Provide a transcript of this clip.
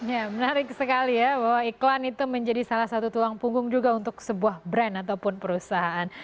ya menarik sekali ya bahwa iklan itu menjadi salah satu tulang punggung juga untuk sebuah brand ataupun perusahaan